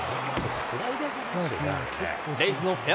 レイズのフェア